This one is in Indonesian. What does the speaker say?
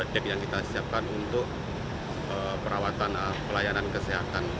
dek yang kita siapkan untuk perawatan pelayanan kesehatan